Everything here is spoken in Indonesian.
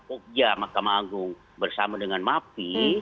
okja mahkamah agung bersama dengan mapi